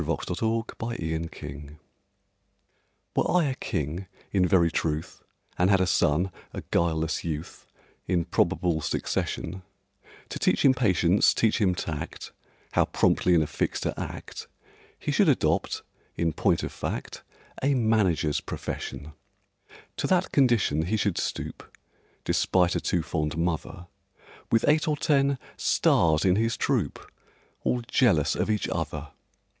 A MANAGER'S PERPLEXITIES WERE I a king in very truth, And had a son—a guileless youth— In probable succession; To teach him patience, teach him tact, How promptly in a fix to act, He should adopt, in point of fact, A manager's profession. To that condition he should stoop (Despite a too fond mother), With eight or ten "stars" in his troupe, All jealous of each other!